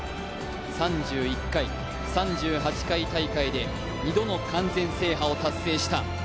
３１回、３８回大会で２度の完全制覇を達成した。